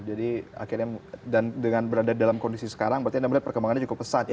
jadi akhirnya dengan berada dalam kondisi sekarang berarti anda melihat perkembangannya cukup pesat ya